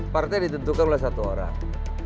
partai ditentukan oleh satu orang